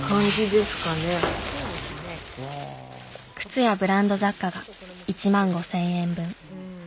靴やブランド雑貨が１万５，０００円分。